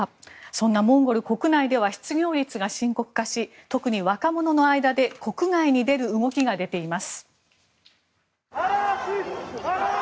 そんなモンゴル国内では失業率が増加し特に若者の間で国外に出る動きが出ています。